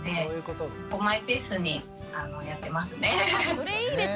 それいいですね。